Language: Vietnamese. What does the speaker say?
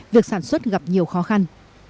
việc sản xuất gặp nhiều khó khăn